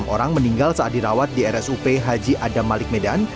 enam orang meninggal saat dirawat di rsup haji adam malik medan